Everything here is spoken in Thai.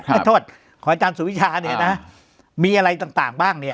ถ้าโทษของอาจารย์สุวิชาเนี่ยนะมีอะไรต่างบ้างเนี่ย